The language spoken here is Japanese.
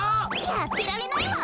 やってられないわ！